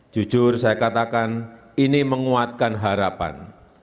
jujur saya katakan ini menguatkan harapan